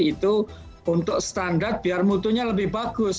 itu untuk standar biar mutunya lebih bagus